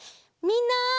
みんな！